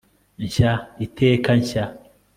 nshya iteka nshya